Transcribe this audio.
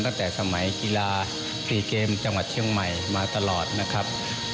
ตั้งแต่สมัยกีฬา๔เกมจังหวัดเชียงใหม่มาตลอดนะครับ